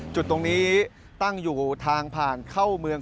จุดตรงนี้ตั้งอยู่ทางผ่านเข้าเมือง